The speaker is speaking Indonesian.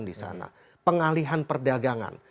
di sana pengalihan perdagangan